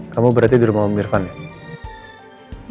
kamu berarti dulu mau ambil van ya